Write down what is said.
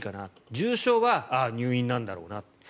重症は入院なんだろうな。